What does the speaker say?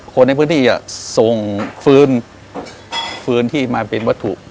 คนในพื้นที่ส่งฟื้นฟื้นที่มาเป็นวัตถุ